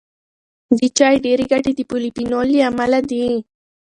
د چای ډېری ګټې د پولیفینول له امله دي.